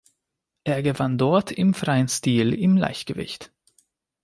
Er gewann dort im freien Stil im Leichtgewicht.